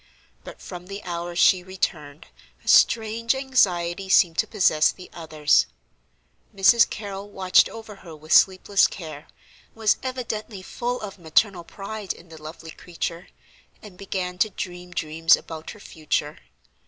But from the hour she returned a strange anxiety seemed to possess the others. Mrs. Carrol watched over her with sleepless care, was evidently full of maternal pride in the lovely creature, and began to dream dreams about her future.